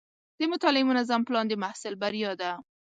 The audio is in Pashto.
د مطالعې منظم پلان د محصل بریا ده.